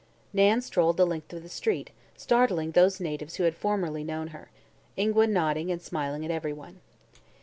Nan strolled the length of the street, startling those natives who had formerly known her, Ingua nodded and smiled at everyone.